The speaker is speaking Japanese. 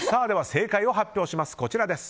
正解を発表します。